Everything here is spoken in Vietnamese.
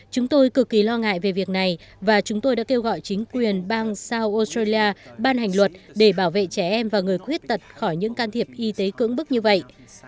chúng tôi cực kỳ lo ngại về việc này và chúng tôi đã kêu gọi chính quyền bang sao australia ban hành luật để bảo vệ trẻ em và người khuyết tật khỏi những can thiệp y tế cưỡng bức như vậy